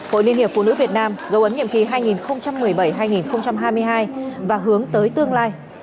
hội liên hiệp phụ nữ việt nam dấu ấn nhiệm kỳ hai nghìn một mươi bảy hai nghìn hai mươi hai và hướng tới tương lai